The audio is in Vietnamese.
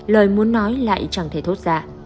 lời muốn nói lại chẳng thể thốt ra